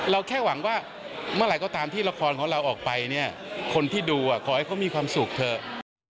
แค่หวังว่าเมื่อไหร่ก็ตามที่ละครของเราออกไปเนี่ยคนที่ดูขอให้เขามีความสุขเถอะ